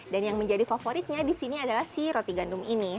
dan yang menjadi favoritnya disini adalah si roti gandum ini